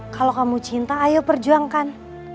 kalau kamu cinta ayo perjuangkan